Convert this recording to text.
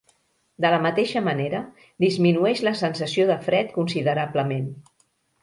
De la mateixa manera, disminueix la sensació de fred considerablement.